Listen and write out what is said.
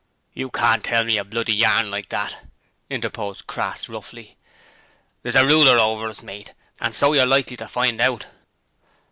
'You can't tell me a bloody yarn like that,' interposed Crass, roughly. 'There's a Ruler over us, mate, and so you're likely to find out.'